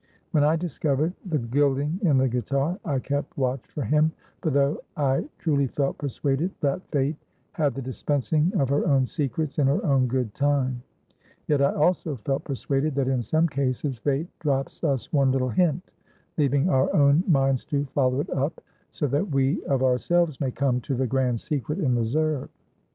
When I discovered the gilding in the guitar, I kept watch for him; for though I truly felt persuaded that Fate had the dispensing of her own secrets in her own good time; yet I also felt persuaded that in some cases Fate drops us one little hint, leaving our own minds to follow it up, so that we of ourselves may come to the grand secret in reserve.